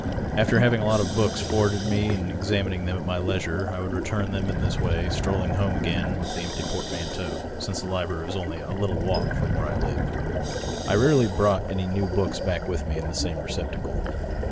After having a lot of books forwarded me and examining them at my leisure, I would return them in this way, strolling home again with the empty portman teau, since the library was only a little walk from where I lived. I rarely brought any new books back with me in the same receptacle.